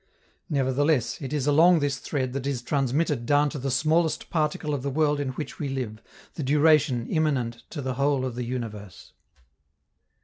Nevertheless it is along this thread that is transmitted down to the smallest particle of the world in which we live the duration immanent to the whole of the universe.